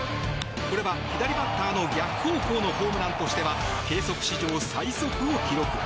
これは左バッターの逆方向のホームランとしては計測史上最速を記録。